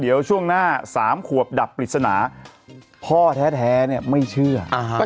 เดี๋ยวช่วงหน้า๓ขวบดับปริศนาพ่อแท้เนี่ยไม่เชื่อ